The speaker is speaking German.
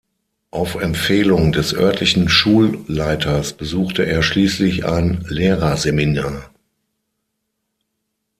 Auf Empfehlung des örtlichen Schulleiters besuchte er schließlich ein Lehrerseminar.